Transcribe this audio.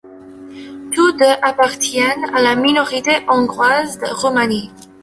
Tous deux appartiennent à la minorité hongroise de Roumanie.